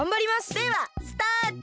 ではスタート！